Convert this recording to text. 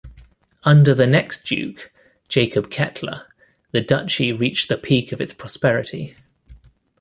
Under the next duke, Jacob Kettler, the Duchy reached the peak of its prosperity.